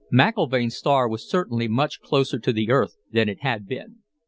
McIlvaine's star was certainly much closer to the Earth than it had been.